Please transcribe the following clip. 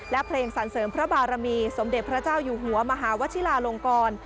และเพลงสรรเสริมพระบารมีสมเด็จพระเจ้าอยู่หัวมหาวชิลาลงกร